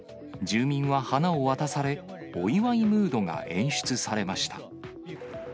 住民は花を渡され、お祝いムードが演出されました。